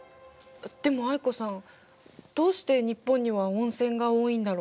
でも藍子さんどうして日本には温泉が多いんだろ？